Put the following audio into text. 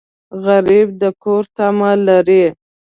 غریب د کور تمه لري